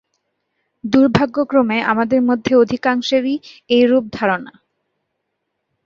দুর্ভাগ্যক্রমে আমাদের মধ্যে অধিকাংশেরই এইরূপ ধারণা।